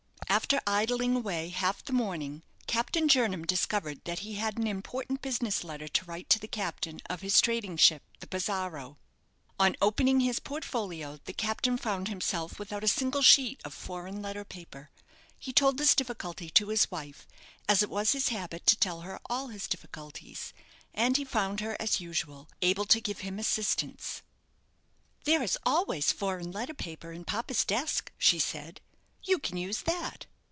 After idling away half the morning, Captain Jernam discovered that he had an important business letter to write to the captain of his trading ship, the "Pizarro." On opening his portfolio, the captain found himself without a single sheet of foreign letter paper. He told this difficulty to his wife, as it was his habit to tell her all his difficulties; and he found her, as usual, able to give him assistance. "There is always foreign letter paper in papa's desk," she said; "you can use that."